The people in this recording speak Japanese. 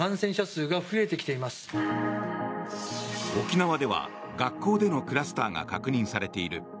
沖縄では学校でのクラスターが確認されている。